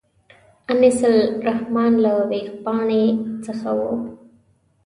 انیس الرحمن له وېبپاڼې څخه و.